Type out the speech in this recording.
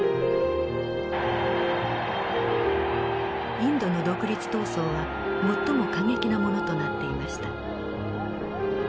インドの独立闘争は最も過激なものとなっていました。